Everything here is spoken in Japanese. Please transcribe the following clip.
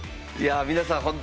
いや皆さん